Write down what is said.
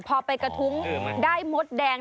พอไปกระทุ้งได้มดแดง